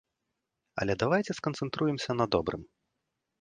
Але давайце сканцэнтруемся на добрым.